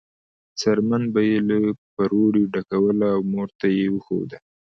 څرمن به یې له پروړې ډکوله او مور ته یې وښوده.